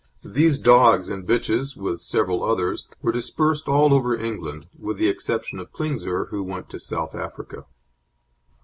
These dogs and bitches, with several others, were dispersed all over England, with the exception of Klingsor, who went to South Africa.